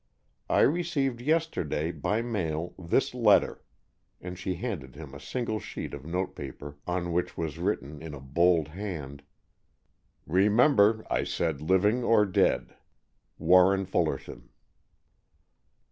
I received yesterday, by mail, this letter." And she handed him a single sheet of note paper, on which was written, in a bold hand, "Remember, I said living or dead. "Warren Fullerton."